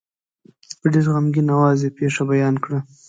په ډېر غمګین آواز یې پېښه بیان کړه.